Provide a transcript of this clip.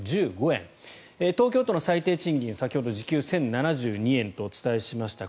東京都の最低賃金、先ほど時給１０７２円とお伝えしました